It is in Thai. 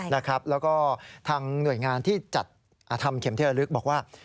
แล้วก็ทางหน่วยงานที่จัดทำเข็มที่ระลึกบอกว่า